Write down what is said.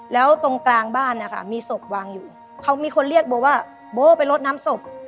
แล้วตรงกลางบ้านนะคะมีศพวางอยู่เขามีคนเรียกโบว่าโบไปลดน้ำศพ